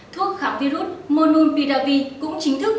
thuốc khám virus monopiravir cũng chính thức